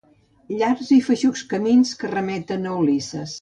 Llargs i feixucs camins que remeten a Ulisses.